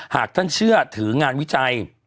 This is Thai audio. หากท่านเชื่อถืองานวิจัย